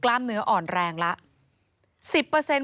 กล้ามเนื้ออ่อนแรงละ๑๐